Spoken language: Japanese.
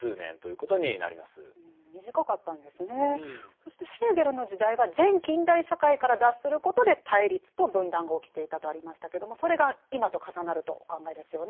そしてヘーゲルの時代は前近代社会から脱することで対立と分断が起きていたとありましたけどもそれが今と重なるとお考えですよね。